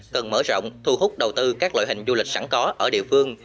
cần mở rộng thu hút đầu tư các loại hình du lịch sẵn có ở địa phương